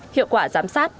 hiệu quả giám sát